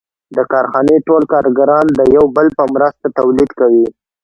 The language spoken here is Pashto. د کارخانې ټول کارګران د یو بل په مرسته تولید کوي